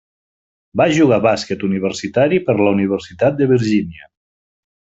Va jugar bàsquet universitari per la Universitat de Virgínia.